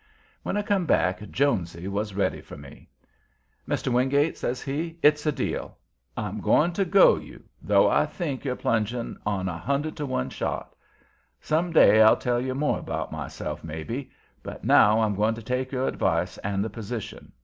When I come back Jonesy was ready for me. "Mr. Wingate," says he, "it's a deal. I'm going to go you, though I think you're plunging on a hundred to one shot. Some day I'll tell you more about myself, maybe. But now I'm going to take your advice and the position.